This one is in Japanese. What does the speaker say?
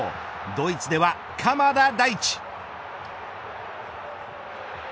ドイツでは鎌田大地。